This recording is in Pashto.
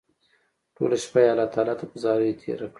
ټوله شپه يې الله تعالی ته په زاريو تېره کړه